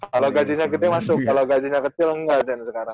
kalo gajinya gede masuk kalo gajinya kecil enggak jen sekarang